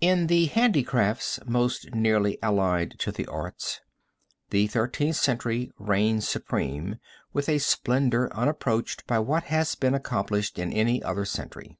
In the handicrafts most nearly allied to the arts, the Thirteenth Century reigns supreme with a splendor unapproached by what has been accomplished in any other century.